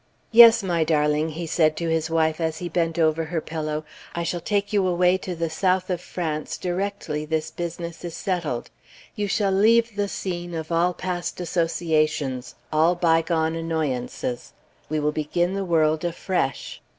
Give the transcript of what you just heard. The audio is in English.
"Yes, my darling," he said to his wife, as he bent over her pillow, "I shall take you away to the south of France directly this business is settled. You shall leave the scene of all past associations, all by gone annoyances. We will begin the world afresh."